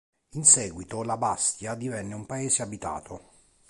In seguito la bastia divenne un paese abitato.